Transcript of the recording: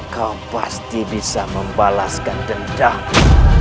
kau pasti bisa membalaskan dendaku